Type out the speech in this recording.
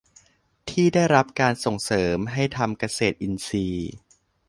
ที่ได้รับการส่งเสริมให้ทำเกษตรอินทรีย์